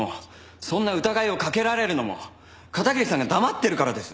そんな疑いをかけられるのも片桐さんが黙ってるからです。